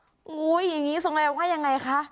โอ๊ยไงก็ยังงี้สงัยว่ายังไงคะ